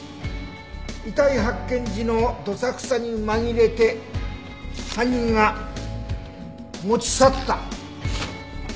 遺体発見時のどさくさに紛れて犯人が持ち去った。